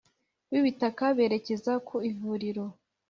w’ibitaka berekeza ku ivuriro